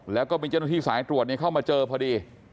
แล้วก็มีเจ้าหน้าที่สายตรวจเข้ามาเจอพอดี